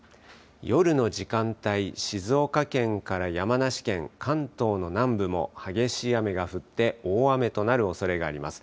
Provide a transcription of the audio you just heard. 夜の時間帯、静岡県から山梨県、関東の南部も激しい雨が降って大雨となるおそれがあります。